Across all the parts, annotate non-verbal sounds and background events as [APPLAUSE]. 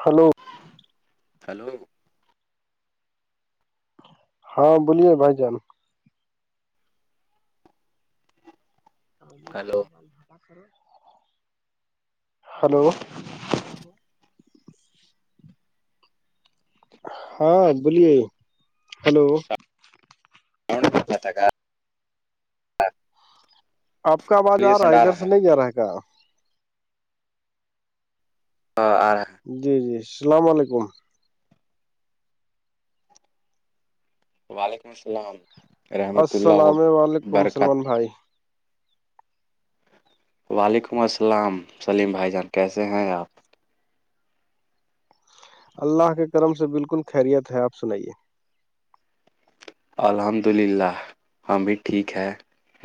hello hello ہاں بولیے بھائی جان [INAUDIBLE] ہیلو ہیلو ہاں بولیے ہیلو [INAUDIBLE] آپ کا آواز آ رہا ہے ادھر سے نہیں جا رہا ہے کا [INAUDIBLE] جی جی السلام علیکم وعلیکم السلام ورحمتہ اللہ السلام علیکم وبرکاتہ سلمان بھائی وعلیکم السلام سلیم بھائی جان کیسے ہیں آپ اللہ کے کرم سے بالکل خیریت ہے آپ سنائیے الحمد للہ ہم بھی ٹھیک ہیں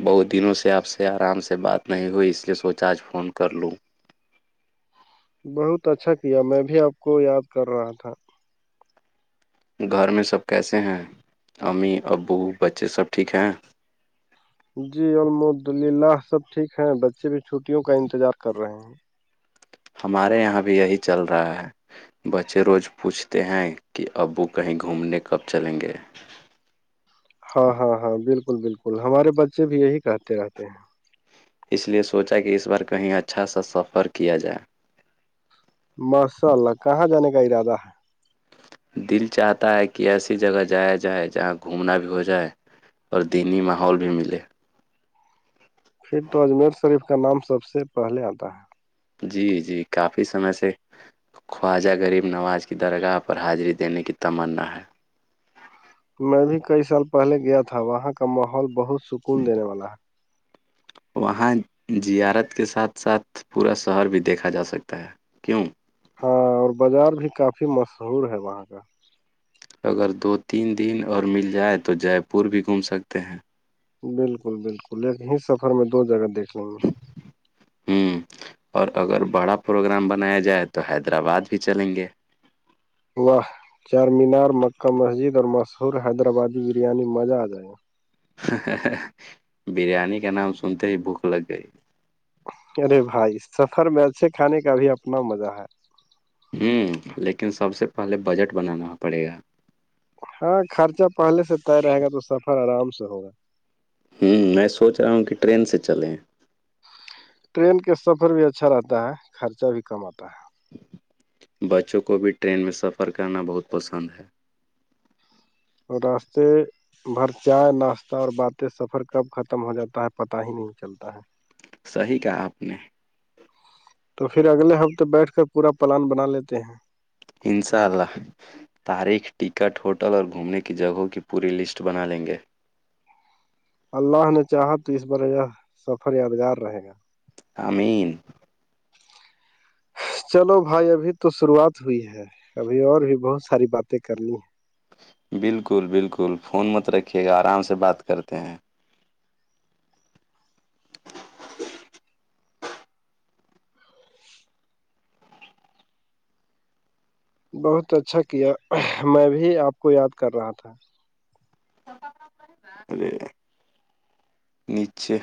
بہت دنوں سے آپ سے آرام سے بات نہیں ہوئی اس لیے سوچا آج فون کر لوں بہت اچھا کیا میں بھی آپ کو یاد کر رہا تھا گھر میں سب کیسے ہیں امی ابو بچے سب ٹھیک ہیں جی الحمد للہ سب ٹھیک ہے بچے بھی چھٹیوں کا انتظار کر رہے ہیں ہمارے یہاں بھی یہی چل رہا ہے بچے روز پوچھتے ہیں کہ ابو کہیں گھومنے کب چلیں گے ہاں ہاں ہاں بالکل بالکل ہمارے بچے بھی یہی کہتے رہتے ہیں اس لیے سوچا کہ اس بار کہیں اچھا سا سفر کیا جائے ماشاء اللہ کہاں جانے کا ارادہ ہے دل چاہتا ہے کہ ایسی جگہ جایا جائے جہاں گھومنا بھی ہو جائے اور دینی ماحول بھی ملے پھر تو اجمیر شریف کا نام سب سے پہلے آتا ہے جی جی کافی سمے سے خواجہ غریب نواز کی درگاہ پر حاضری دینے کی تمنا ہے میں بھی کئی سال پہلے گیا تھا وہاں کا ماحول بہت سکون دینے والا ہے وہاں زیارت کے ساتھ ساتھ پورا شہر بھی دیکھا جا سکتا ہے کیوں ہاں اور بازار بھی کافی مشہور ہے وہاں کا اگر دو تین دن اور مل جائے تو جے پور بھی گھوم سکتے ہیں بالکل بالکل ایک ہی سفر میں دو جگہ دیکھ لوں گا ہ اور اگر بڑا پروگرام بنایا جائے تو حیدرآباد بھی چلیں گے واہ چار مینار مکہ مسجد اور مشہور حیدرآبادی بریانی مزہ آ جائے گا بریانی کا نام سنتے ہی بھوک لگ گئی ارے بھائی سفر میں اچھے کھانے کا بھی اپنا مزہ ہے ہوں لیکن سب سے پہلے بجٹ بنانا پڑے گا ہاں خرچہ پہلے سے طے رہے گا تو سفر آرام سے ہوگا ہوں میں سوچ رہا ہوں کہ ٹرین سے چلیں ٹرین کے سفر بھی اچھا رہتا ہے خرچہ بھی کم آتا ہے بچوں کو بھی ٹرین میں سفر کرنا بہت پسند ہے اور راستے بھر چائے ناشتہ اور باتیں سفر کب ختم ہو جاتا ہے پت ہی نہیں چلتا ہے صحیح کہا آپ نے تو پھر اگلے ہفتے بیٹھ کر پورا پلان بنا لیتے ہیں انساء اللہ تاریخ ٹکٹ ہوٹل اور گھومنے کی جگہوں کی پوری لسٹ بنا لیں گے اللہ نے چاہا تو اس بار یہ سفر یادگار رہے گا امین چلو بھائی ابھی تو شروعات ہوئی ہے ابھی اور بھی بہت ساری باتیں کرنی ہے بالکل بالکل فون مت رکھیے گا آرام سے بات کرتے ہیں بہت اچھا کیا میں بھی آپ کو یاد کر رہا تھا [INAUDIBLE] نیچے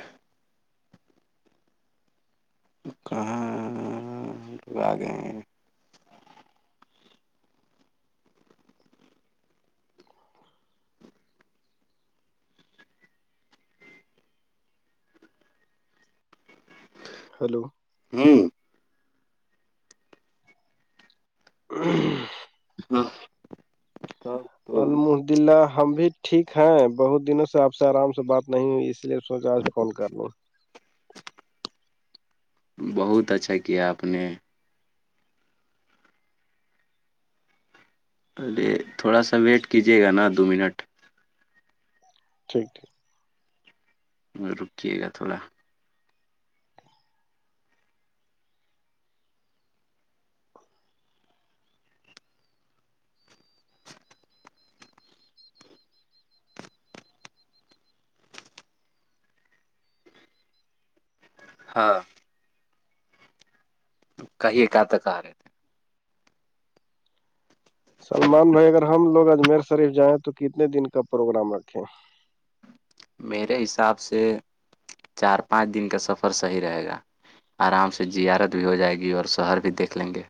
کہاں گئے ہلو ہوں [INAUDIBLE] ہاں تو المحدلہ ہم بھی ٹھیک ہیں بہت دنوں سے آپ سے آرام سے بات نہیں ہوئی اس لیے س آج فون کر لوں بہت اچھا کیا آپ نے ارے تھوڑا سا ویٹ کیجیے گا نا دو منٹ ٹھیک ٹیک رکیے گا تھوڑا ہاں کہیے کیا تک آ رہے تھے سلمان بھائی اگر ہم لوگ اجمیر شریف جائیں تو کتنے دن کا پروگرام رکھیں میرے حساب سے چار پانچ دن کا سفر صحیح رہے گا آرام سے زیارت بھی ہو جائے گی اور شہر بھی دیکھ لیں گے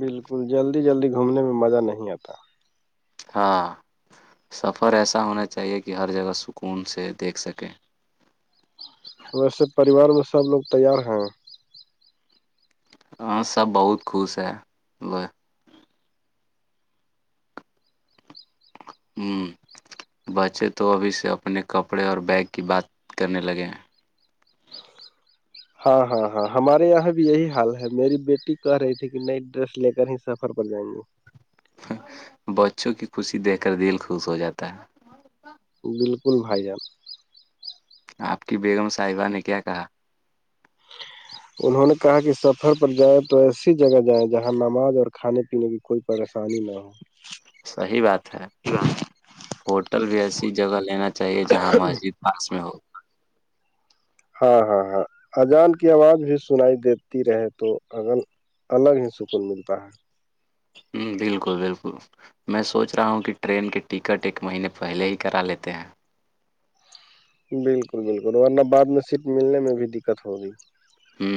بالکل جلدی جلدی گھومنے میں مزہ نہیں آتا ہاں سفر ایسا ہونا چاہیے کہ ہر جگہ سکون سے دیکھ سکیں ویسے پریوار میں سب لوگ تیار ہیں ہاں سب بہت خوش ہے لو ہوں بچے تو ابھی سے اپنے کپڑے اور بیگ کی بات کرنے لگے ہیں ہاں ہاں ہاں ہمارے یہاں بھی یہی حال ہے میری بیٹی کہہ رہی تھی کہ نئی ڈریس لے کر ہی سفر پر جائیں گے بچوں کی خوشی دیکھ کر دل خوش ہو جاتا ہے بالکل بھائی جان آپ کی بیگم صاحبہ نے کیا کہا انہوں نے کہا کہ سفر پر جائے تو ایسی جگہ جائیں جہاں نماز اور کھانے پینے کی کوئی پریشانی نہ ہو [INAUDIBLE] صحی بات ہے ہوٹل بھی ایسی جگہ لینا چاہیے جہاں مسجد ہس میں ہو [UNINTELLIGIBLE] ہاں ہاں ہاں اجان کی آواز بھی سنائی دیتی رہے تو اگر الگ ہی سکون ملتا ہے ہ بالکل بالکل میں سوچ رہا ہوں کہ ٹرین کے ٹکٹ ایک مہینے پہلے ہی کرا لیتے ہیں بالکل بالکل ورنہ بعد میں سیٹ ملنے میں بھی دقت ہوگی ہ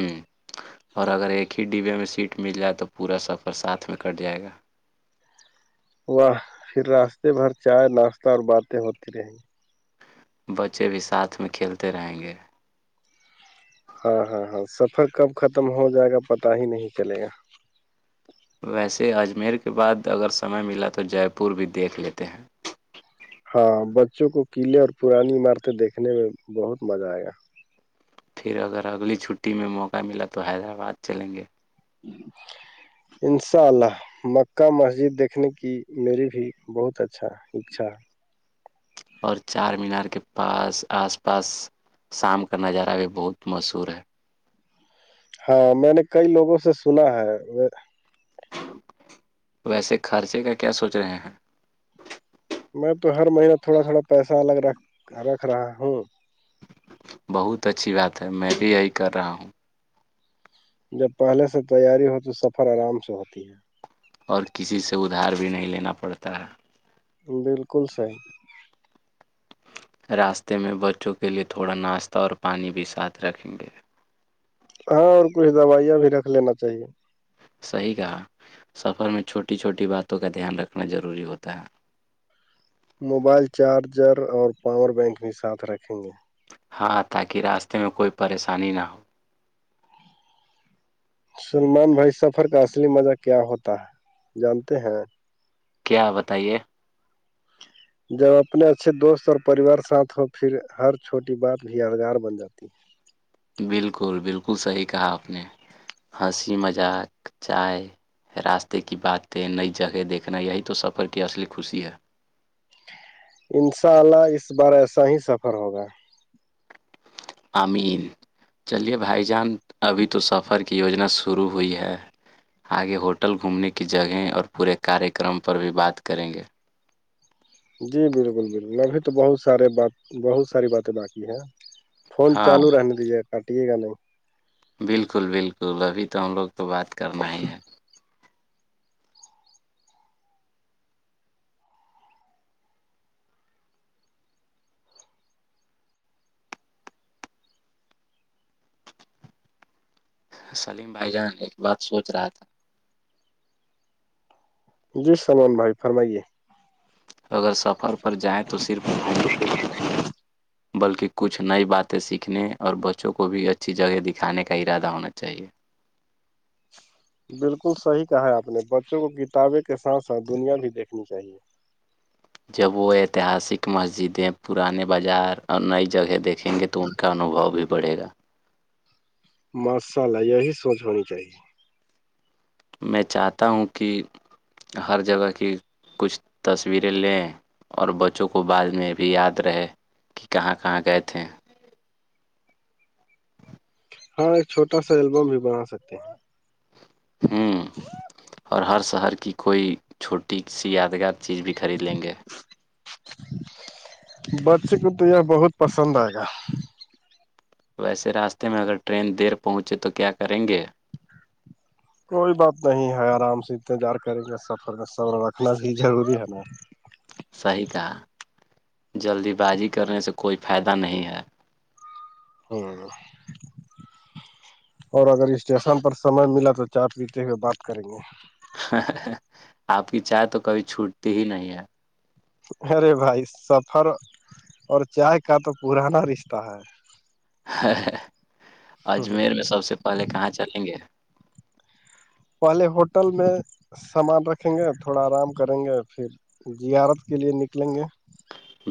اور اگر ایک ہی ڈبے میں سیٹ مل جائے تو پورا سفر ساتھ میں کٹ جائے گا واہ پھر راستے بھر چائے ناشتہ اور باتیں ہوتی رہیں گی بچے بھی ساتھ میں کھیلتے رہیں گے ہاں ہاں ہاں سفر کب ختم ہو جائے گا پتا ہی نہیں چلے گا ویسے اجمیر کے بعد اگر سمے ملا تو جے پور بھی دیکھ لیتے ہیں ہاں بچوں کو قلے اور پرانی عمارتیں دیکھنے میں بہت مزہ آئے گا پھر اگر اگلی چھٹیی میں موقع ملا تو حیدرآباد چلیں گے [INAUDIBLE] انشاء اللہ مکہ مسجد دیکھنے کی میری بھی بہت اچھا اچھا ہے اور چار مینار کے پاس آس پاس شام کا نظارہ بھی بہت مشہور ہے ہاں میں نے کئی لوگوں سے سنا ہے ویسے خرچے کا کیا سوچ رہے ہیں میں تو ہر مہین تھوڑا تھوڑا پیسہ الگ رکھ رکھ رہا ہوں بہت اچھی بات ہے میں بھی یہی کر رہا ہوں جب پہلے سے تیاری ہو تو سفر آرام سے ہوتی ہے اور کسی سے ادھار بھی نہیں لینا پڑتا ہے بالکل صحیح راستے میں بچوں کے لیے تھوڑا ناشتہ اور پانی بھی ساتھ رکھیں گے ہاں اور کچھ دوائیاں بھی رکھ لینا چاہیے صحیح کہا سفر میں چھوٹی چھوٹی باتوں کا دھیان رکھنا ضروری ہوتا ہے موبائل چارجر اور پاور بینک بھی ساتھ رکھیں گے ہاں تاکہ راستے میں کوئی پریشانی نہ ہو سلمان بھائی سفر کا اصلی مزہ کیا ہوتا ہے جانتے ہیں کیا بتائیے جب اپنے اچھے دوست اور پریوار ساتھ ہو پھر ہر چھوٹی بات بھی یادگار بن جاتی ہے بالکل بالکل صحیح کہا آپ نے ہنسی مذاق چائے راستے کی بات ہےیں نئی جگہ دیکھنا یہی تو سفر کی اصلی خوشی ہے ان شاء اللہ اس بار ایسا ہی سفر ہوگا امین چلیے بھائی جان ابھی تو سفر کی یوجنا شروع ہوئی ہے آگے ہوٹل گھومنے کی جگہیں اور پورے کاریہ کررم پر بھی بات کریں گے جی بالکل بالکل ابھی تو بہت سارے بات بہت ساری باتیں باقی ہیں فون ہاں چالو رہنے دیجیے کاٹیے گا نہیں بالکل بالکل ابھی تو ہم لوگ تو بات کرنا ہی ہے سلیم بھائی جان ایک بات سوچ رہا تھا جی سلمان بھائی فرمائیے اگر سفر پر جائیں تو صرف گھومنے کے لیے جائیں گے بلکہ کچھ نئی باتیں سیکھنے اور بچوں کو بھی اچھی جگہ دکھانے کا ارادہ ہونا چاہیے بالکل صحیح کہا ہے آپ نے بچوں کو کتابیں کے ساتھ ساتھ دنیا بھی دیکھنی چاہیے جب وہ ایتہاسک مسجدیں پرانے بازار اور نئی جگہ دیکھیں گے تو ان کا انوبھو بھی پڑے گا ماشاء اللہ یہی سوچ ہونی چاہیے میں چاہتا ہوں کہ ہر جگہ کی کچھ تصویریں لیں اور بچوں کو بعد میں بھی یاد رہے کہ کہاں کہاں گئے تھے ہاں ایک چھوٹا سا البم بھی بنا سکتے ہیں ہوں اور ہر شہر کی کوئی چھوٹی سی یادگار چیز بھی خرید لیں گے بچے کو تو یہ بہت پسند آئے گا ویسے راستے میں اگر ٹرین دیر پہنچے تو کیا کریں گے کوئی بات نہیں ہے آرام سے انتظار کریں گے سفر میں صبر رکھنا بھی ضروری ہے نا صحیح کہا جلدی بازی کرنے سے کوئی فائدہ نہیں ہے اورو اور اگر اسٹیشن پر سمے ملا تو چائے پیتے ہوئے بات کریں گے آپ کی چائے تو کبھی چھوٹتی ہی نہیں ہے ارے بھائی سفر اور چائے کا تو پرانا رشتہ ہے اجمیر میں سب سے پہلے کہاں چلیں گے پے ہوٹل میں سامان رکھیں گے تھوڑا آرام کریں گے پھر زیارت کے لیے نکلیں گے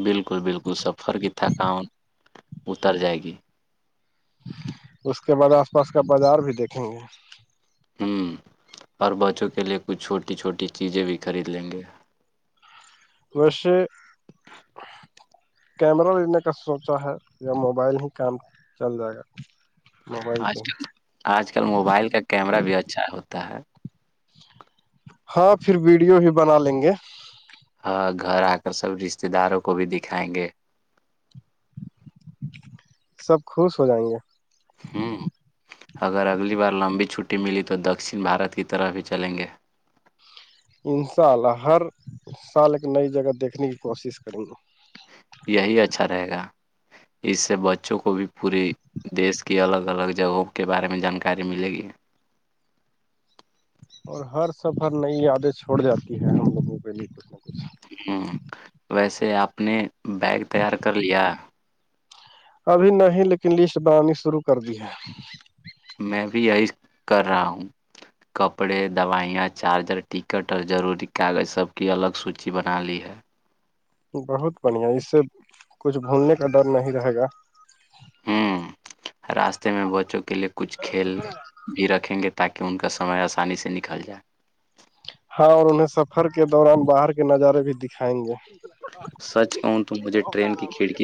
بالکل بالکل سفر کی تھکان اتر جائے گی اس کے بعد آس پاس کا بازار بھی دیکھیں گے ہوں اور بچوں کے لیے کچھ چھوٹی چھوٹی چیزیں بھی خرید لیں گے پشے کیمرہ لینے کا سوچا ہے یا موبائل ہی کام چل جائے گا موبائل آج سے کل آج کل موبائل کا کیمرہ بھی اچھا ہوتا ہے ہاں پھر ویڈیو بھی بنا لیں گے ہاں گھر آ کر سب رشتے داروں کو بھی دکھائیں گے سب خوش ہو جائیں گے ہوں اگر اگلی بار لمبی چھٹی ملی تو دکشن بھارت کی طرف ہی چلیں گے ان شاء اللہ ہر سال ایک نئی جگہ دیکھنے کی کوشش کروں گی یہی اچھا رہے گا اس سے بچوں کو بھی پوری دیش کی الگ الگ جگہوں کے بارے میں جانکاری ملے گی اور ہر سفر نئی یادیں چھوڑ جاتی ہیں ہم لوگوں کے لیے کچھ نہ کچھ ہوں ویسے آپ نے بیگ تیار کر لیا ابھی نہیں لیکن لسٹ بنانی شروع کر دی ہے میں بھی یہی کر رہا ہوں کپڑے دوائیاں چارجر ٹکٹ اور ضروری کاغذ سب کی الگ سوچی بنا لی ہے بہت بڑھیا اس سے کچھ بھولنے کا ڈر نہیں رہے گا ہوں راستے میں بچوں کے لیے کچھ کھیل بھی رکھیں گے تاکہ ان کا سمے آسانی سے نکل جائے ہاں اور انہیں سفر کے دوران باہر کے نظارے بھی دکھائیں گے سچ کہوں تم مجھے ٹرین کی کھڑکی